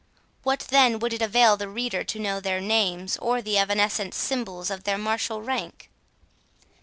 What, then, would it avail the reader to know their names, or the evanescent symbols of their martial rank!